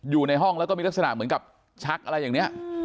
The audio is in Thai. อยู่ในห้องแล้วก็มีลักษณะเหมือนกับชักอะไรอย่างนี้